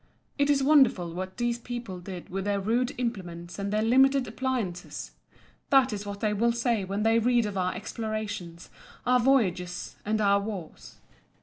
"It is wonderful what these people did with their rude implements and their limited appliances!" That is what they will say when they read of our explorations, our voyages, and our wars.